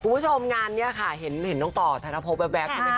คุณผู้ชมงานนี้ค่ะเห็นน้องต่อธนภพแว๊บใช่ไหมค